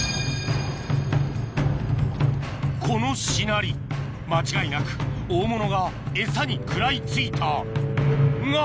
このしなり間違いなく大物がエサに食らい付いたが！